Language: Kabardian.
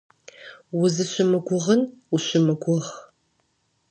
Узыщымыгугъын ущымыгугъ.